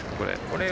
これ。